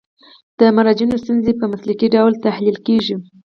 د مراجعینو ستونزې په مسلکي ډول تحلیل کیږي.